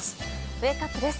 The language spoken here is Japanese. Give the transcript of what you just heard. ウェークアップです。